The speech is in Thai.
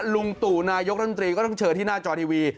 ลุงตู่นายกรัฐมนตรีก็ต้องเชิญที่หน้าจอทีวี